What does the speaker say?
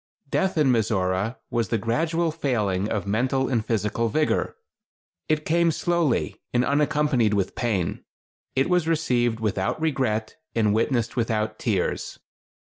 Death in Mizora was the gradual failing of mental and physical vigor. It came slowly, and unaccompanied with pain. It was received without regret, and witnessed without tears.